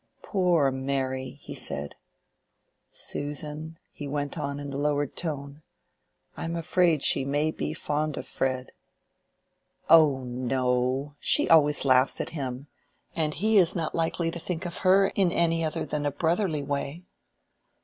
"Poor Mary!" he said. "Susan," he went on in a lowered tone, "I'm afraid she may be fond of Fred." "Oh no! She always laughs at him; and he is not likely to think of her in any other than a brotherly way."